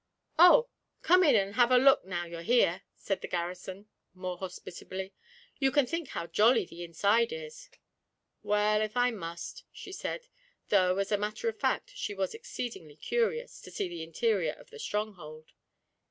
'Oh! come in and have a look now you're here,' said the garrison more hospitably. 'You can't think how jolly the inside is.' 'Well, if I must,' she said; though, as a matter of fact, she was exceedingly curious to see the interior of the stronghold.